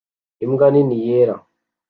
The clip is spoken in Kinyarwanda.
Imbwa nini yera